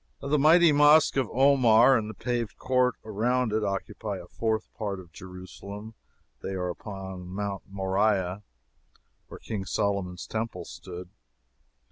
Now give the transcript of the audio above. The mighty Mosque of Omar, and the paved court around it, occupy a fourth part of Jerusalem. They are upon Mount Moriah, where King Solomon's Temple stood.